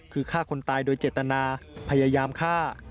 คือฆ่าคนตายโดยเจตนาพยายามฆ่า